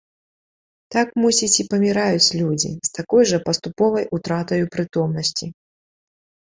Так, мусіць, і паміраюць людзі, з такой жа паступовай утратаю прытомнасці.